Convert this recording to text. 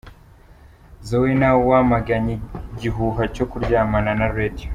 Zoena wamaganye igihuha cyo kuryamana na Radio.